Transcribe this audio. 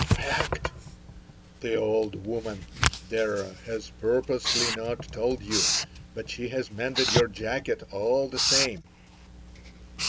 "Fact! The old woman there has purposely not told you, but she has mended your jacket all the same."